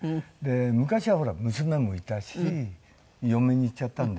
昔はほら娘もいたし嫁にいっちゃったんで。